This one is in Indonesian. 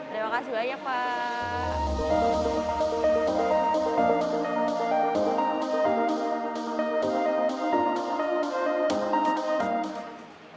terima kasih banyak pak